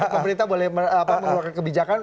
pemerintah boleh mengeluarkan kebijakan